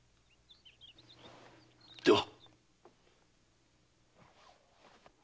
では。